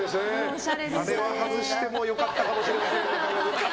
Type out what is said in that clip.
あれは外してもよかったかもしれません。